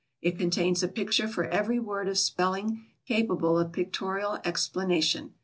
It contains a picture for every word of spelling capable of pictorial explanation.